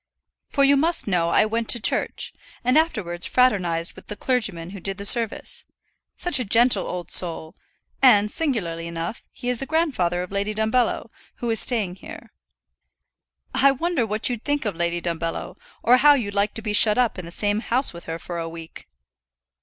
For you must know I went to church, and afterwards fraternized with the clergyman who did the service; such a gentle old soul, and, singularly enough, he is the grandfather of Lady Dumbello, who is staying here. I wonder what you'd think of Lady Dumbello, or how you'd like to be shut up in the same house with her for a week?